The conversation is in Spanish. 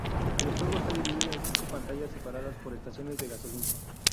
El juego está dividido en cinco pantallas separadas por estaciones de gasolina.